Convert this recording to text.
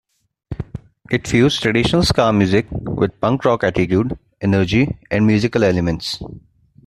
It fused traditional ska music with punk rock attitude, energy and musical elements.